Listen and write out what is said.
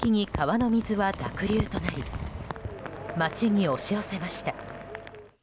一気に川の水は濁流となり街に押し寄せました。